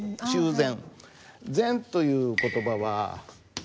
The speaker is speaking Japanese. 「繕」という言葉は。